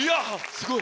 すごい！